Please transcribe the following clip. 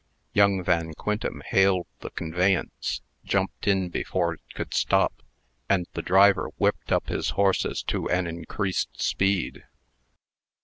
Young Van Quintem hailed the conveyance, jumped in before it could stop, and the driver whipped up his horses to an increased speed.